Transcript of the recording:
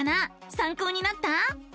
さんこうになった？